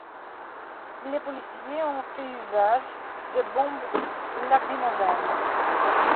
Les policiers ont fait usage de bombes lacrymogènes.